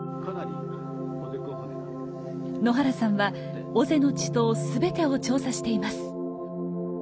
野原さんは尾瀬の池溏全てを調査しています。